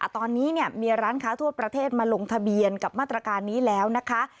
ตอนนี้มีร้านค้าทั่วประเทศมาลงทะเบียนกับมาตรการนี้แล้วนะคะ